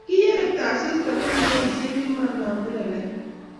kiyerekto asista ko kiboishe kamanoo amburelait